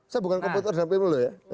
saya bukan kompetitor dalam pemilu ya